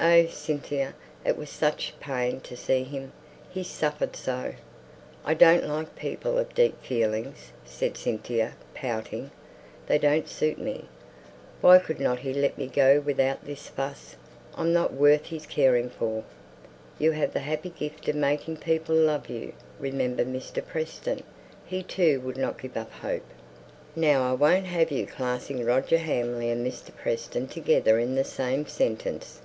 "Oh, Cynthia, it was such pain to see him, he suffered so!" "I don't like people of deep feelings," said Cynthia, pouting. "They don't suit me. Why couldn't he let me go without this fuss? I'm not worth his caring for!" "You have the happy gift of making people love you. Remember Mr. Preston, he too wouldn't give up hope." "Now I won't have you classing Roger Hamley and Mr. Preston together in the same sentence.